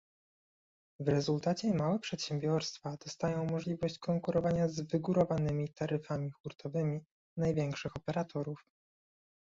W rezultacie małe przedsiębiorstwa dostają możliwość konkurowania z wygórowanymi taryfami hurtowymi największych operatorów